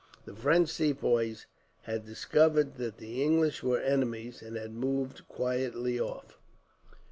The French Sepoys had discovered that the English were enemies, and had moved quietly off.